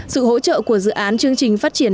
sự hỗ trợ của dự án chương trình phát triển